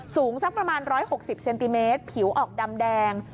สูงสักประมาณ๑๖๐เซนติเมตรผิวออกดำแดง